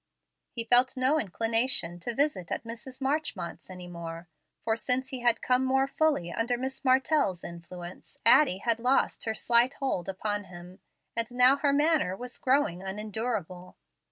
He felt no inclination to visit at Mrs. Marchmont's any more, for since he had come more fully under Miss Martell's influence Addie had lost her slight hold upon him, and now her manner was growing unendurable.